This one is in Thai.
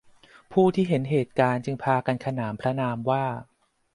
ผู้ที่เห็นเหตุการณ์จึงพากันขนานพระนามว่า